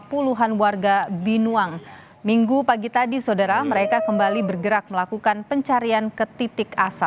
pimpinan satuan polsek raya